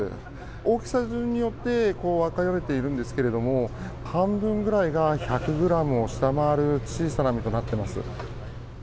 大きさ順によって分かれているんですけども、半分ぐらいが１００グラムを下回る小さな身となっています。